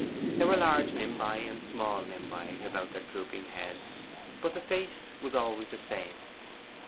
There were large nimbi and small nimbi about their drooping heads, but the face was always the same.